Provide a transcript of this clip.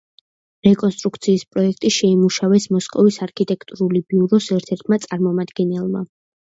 რეკონსტრუქციის პროექტი შეიმუშავა მოსკოვის არქიტექტურული ბიუროს ერთ-ერთმა წარმომადგენელმა.